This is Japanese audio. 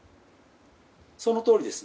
そのとおりです。